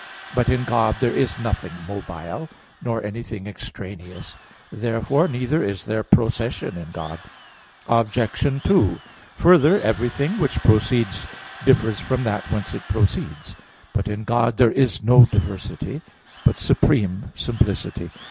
But in God there is nothing mobile, nor anything extraneous. Therefore neither is there procession in God. Obj. 2: Further, everything which proceeds differs from that whence it proceeds. But in God there is no diversity; but supreme simplicity.